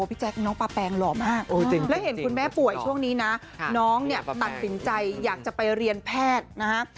แจ๊คน้องปลาแปงหล่อมากแล้วเห็นคุณแม่ป่วยช่วงนี้นะน้องเนี่ยตัดสินใจอยากจะไปเรียนแพทย์นะฮะ